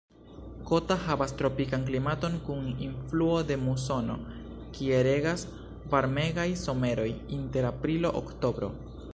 Kota havas tropikan klimaton kun influo de musono, kie regas varmegaj someroj inter aprilo-oktobro.